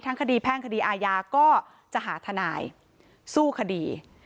คดีแพ่งคดีอาญาก็จะหาทนายสู้คดี